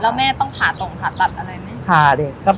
แล้วแม่ต้องขาตรองตัดอะไรไหม